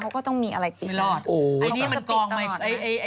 เขาก็ต้องมีอะไรปิดเลยต้องปิดตลอด